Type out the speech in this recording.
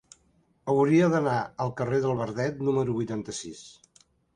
Hauria d'anar al carrer del Verdet número vuitanta-sis.